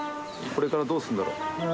これからどうするんだろう？